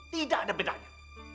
tidak ada bedanya